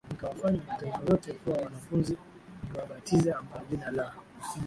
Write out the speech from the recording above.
mkawafanye mataifa yote kuwa wanafunzi mkiwabatiza kwa jina la